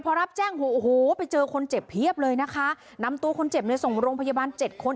พอรับแจ้งโหโอ้โหไปเจอคนเจ็บเพียบเลยนะคะนำตัวคนเจ็บในส่งโรงพยาบาลเจ็ดคน